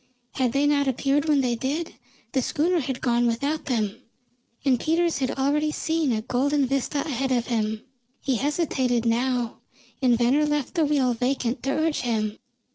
Had they not appeared when they did, the schooner had gone without them, and Peters had already seen a golden vista ahead of him. He hesitated now, and Venner left the wheel vacant to urge him.